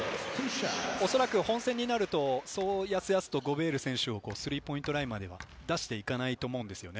おそらく本戦になると、やすやすとゴベール選手をスリーポイントラインまでは出していかないと思うんですよね。